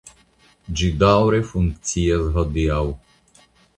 Ĝi daŭre funkcias hodiaŭ.